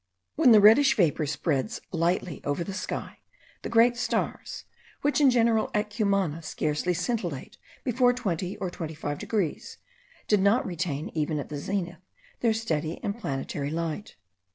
When the reddish vapour spreads lightly over the sky, the great stars, which in general, at Cumana, scarcely scintillate below 20 or 25 degrees, did not retain even at the zenith, their steady and planetary light.